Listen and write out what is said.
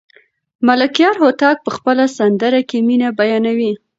ملکیار هوتک په خپله سندره کې مینه بیانوي.